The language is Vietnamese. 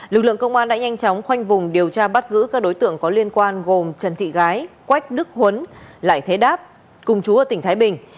lực lượng công an đã nhanh chóng khoanh vùng điều tra bắt giữ các đối tượng có liên quan gồm trần thị gái quách đức huấn lại thế đáp cùng chú ở tỉnh thái bình